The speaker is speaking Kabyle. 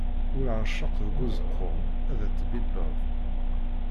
Ur ɛecceq deg uzeqquṛ, ad t-tbibbeḍ.